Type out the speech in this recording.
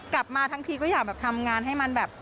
กลับมาทั้งทีก็อยากแบบทำงานให้มันแบบ